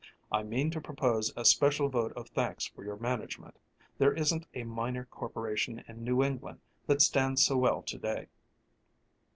"I mean to propose a special vote of thanks for your management. There isn't a minor corporation in New England that stands so well to day."